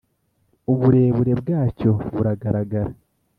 Uburebure bwacyo buragaragara